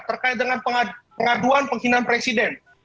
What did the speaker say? terkait dengan pengaduan pengkhinaan presiden